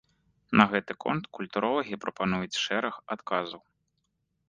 На гэты конт культуролагі прапануюць шэраг адказаў.